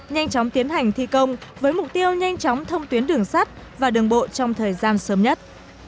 nhanh chóng tiến hành thi công với mục tiêu nhanh chóng thông tuyến đường sắt và đường bộ trong thời gian sớm nhất